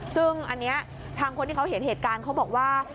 ซึ่งอันนี้ทางคนที่เขาเห็นเหตุการณ์เขาบอกว่า